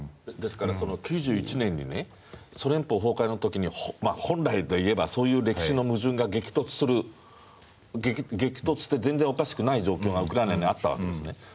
ですから９１年にソ連邦崩壊の時に本来でいえばそういう歴史の矛盾が激突して全然おかしくない状況がウクライナにあったわけですね。